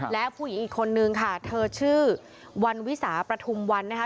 และผู้หญิงอีกคนนึงค่ะเธอชื่อวันวิสาประทุมวันนะคะ